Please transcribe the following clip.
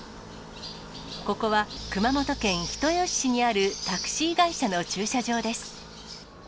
ここは、熊本県人吉市にあるタクシー会社の駐車場です。